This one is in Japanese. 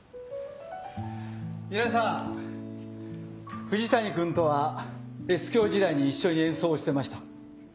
皆さん藤谷君とはＳ響時代に一緒に演奏をしてました。